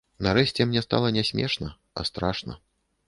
Нарэшце мне стала не смешна, а страшна.